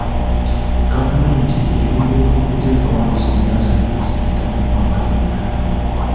Gavumenti eruubirirwa okuteekawo amasanyalaze agesigika mu ggwanga lyonna.